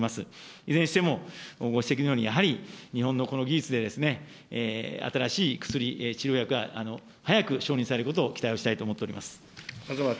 いずれにしても、ご指摘のように、やはり日本のこの技術でですね、新しい薬、治療薬が早く承認をされることを期待をしたいと思っております。